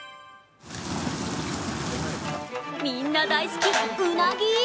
みんな大好き、うなぎ！